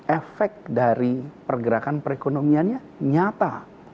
efek dari pergerakan perekonomiannya nyata